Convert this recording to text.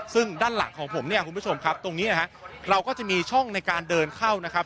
ซึ่งด้านหลังของผมเนี่ยคุณผู้ชมครับตรงนี้นะฮะเราก็จะมีช่องในการเดินเข้านะครับ